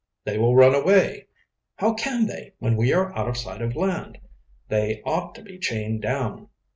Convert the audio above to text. "They will run away." "How can they, when we are out of sight of land?" "They ought to be chained down."